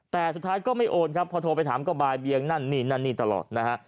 แต่สุดท้ายก็ไม่โอนครับพอโทรไปถามก็บายเบียงนั่นนี่นั่นนี่ตลอดนะฮะ